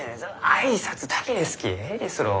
挨拶だけですきえいですろう？